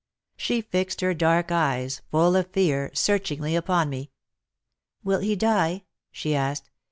She fixed her dark eyes, full of fear, search ingly upon me. "Will he die?" she asked.